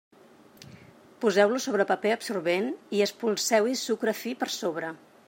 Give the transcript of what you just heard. Poseu-los sobre paper absorbent, i espolseu-hi sucre fi per sobre.